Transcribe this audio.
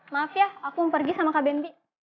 maaf ya aku mau pergi sama kak bambi